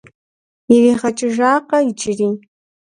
Иригъэкӏыжакъэ иджыри?